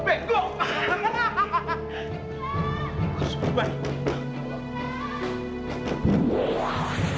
iya di sini ruangannya